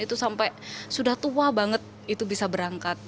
itu sampai sudah tua banget itu bisa berangkat